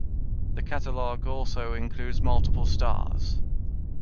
The catalog also includes multiple stars.